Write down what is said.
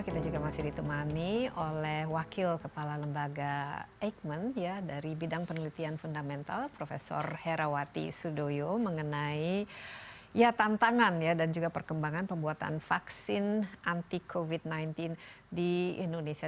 kita juga masih ditemani oleh wakil kepala lembaga eijkman dari bidang penelitian fundamental prof herawati sudoyo mengenai tantangan ya dan juga perkembangan pembuatan vaksin anti covid sembilan belas di indonesia